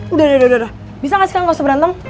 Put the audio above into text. udah udah udah bisa gak sih kalian gak usah berantem